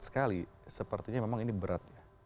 sekali sepertinya memang ini berat ya